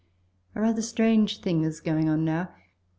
A rather strange thing is going on now.